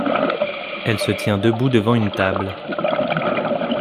Elle se tient debout devant une table.